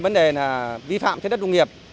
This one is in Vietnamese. vấn đề là vi phạm trên đất nông nghiệp